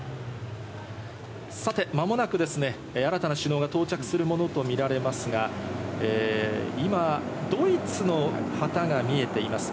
さて間もなくですね、新たな首脳が到着するものとみられますが、今、ドイツの旗が見えています。